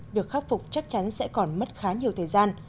việc khắc phục chắc chắn sẽ còn mất khá nhiều thời gian